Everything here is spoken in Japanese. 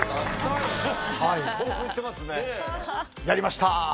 やりました。